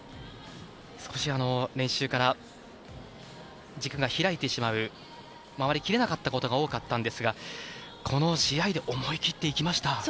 少し、練習から軸が開いてしまう回り切れなかったことが多かったんですがこの試合で思い切っていきました。